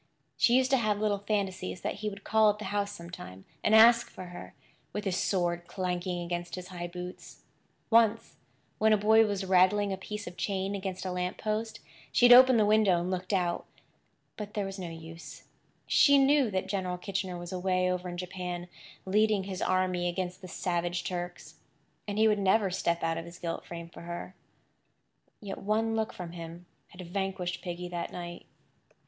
She used to have little fancies that he would call at the house sometime, and ask for her, with his sword clanking against his high boots. Once, when a boy was rattling a piece of chain against a lamp post she had opened the window and looked out. But there was no use. She knew that General Kitchener was away over in Japan, leading his army against the savage Turks; and he would never step out of his gilt frame for her. Yet one look from him had vanquished Piggy that night.